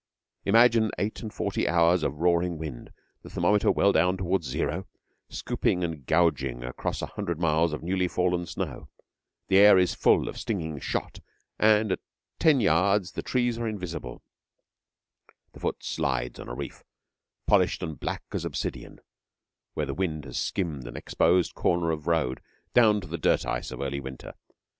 Imagine eight and forty hours of roaring wind, the thermometer well down towards zero, scooping and gouging across a hundred miles of newly fallen snow. The air is full of stinging shot, and at ten yards the trees are invisible. The foot slides on a reef, polished and black as obsidian, where the wind has skinned an exposed corner of road down to the dirt ice of early winter.